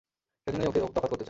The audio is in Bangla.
সেইজন্যেই ওকে তফাত করতে চাই।